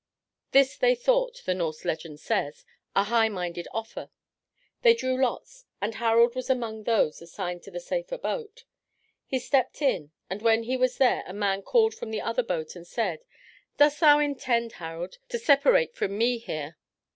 This they thought, the Norse legend says, "a high minded offer." They drew lots, and Harald was among those assigned to the safer boat. He stepped in, and when he was there a man called from the other boat and said, "Dost thou intend, Harald, to separate from me here?"